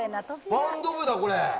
バンド部だ、これ。